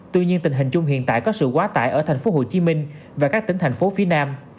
tuy nhiên tình hình chung hiện tại có sự quá tải ở tp hcm và các tỉnh thành phố phía nam